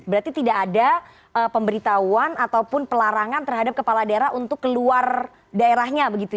berarti tidak ada pemberitahuan ataupun pelarangan terhadap kepala daerah untuk keluar daerahnya begitu ya